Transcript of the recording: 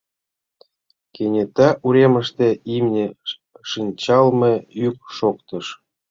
Кенета уремыште имне шинчалме йӱк шоктыш.